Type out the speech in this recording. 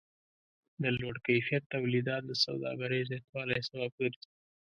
د لوړ کیفیت تولیدات د سوداګرۍ زیاتوالی سبب ګرځي.